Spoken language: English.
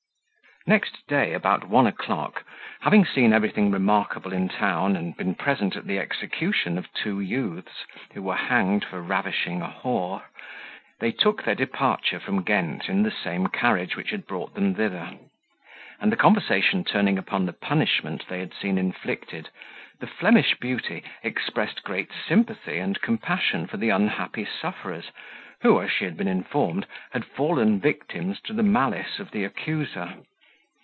Next day, about one o'clock, after having seen everything remarkable in town, and been present at the execution of two youths, who were hanged for ravishing a w , they took their departure from Ghent in the same carriage which had brought them thither; and the conversation turning upon the punishment they had seen inflicted, the Flemish beauty expressed great sympathy and compassion for the unhappy sufferers, who, as she had been informed, had fallen victims to the malice of the accuser.